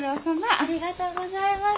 ありがとうございます。